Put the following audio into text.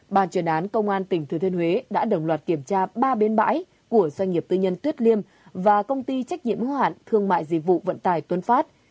bàn truyền án công an tỉnh thừa thiên huế đã đồng loạt kiểm tra ba bến bãi của doanh nghiệp tuyên nhân tuyên liên và công ty trách nhiệm hóa hạn thương mại dịch vụ vận tài tuấn phát